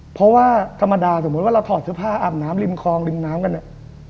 เพราะว่าธรรมดาสมมุติว่าเราถอดเสื้อผ้าอาบน้ำริมคลองริมน้ำกันเนี่ย